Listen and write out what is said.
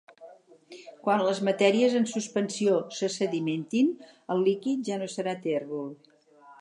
Quan les matèries en suspensió se sedimentin, el líquid ja no serà tèrbol.